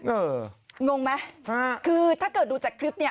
งงไหมคือถ้าเกิดดูจากคลิปเนี้ย